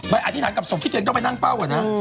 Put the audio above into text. อธิษฐานกับศพที่ตัวเองต้องไปนั่งเฝ้าอะนะ